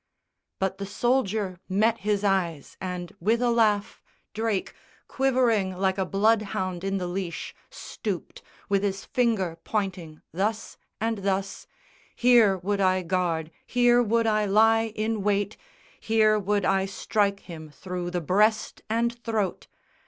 But the soldier met his eyes and, with a laugh, Drake, quivering like a bloodhound in the leash, Stooped, with his finger pointing thus and thus "Here would I guard, here would I lie in wait, Here would I strike him through the breast and throat."